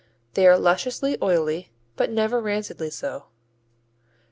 They are lusciously oily, but never rancidly so.